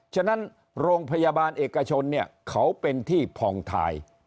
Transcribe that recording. ฉะนั้นโรงพยาบาลเอกชนเนี่ยเขาเป็นที่ผ่องทาย